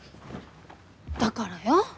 だからよ。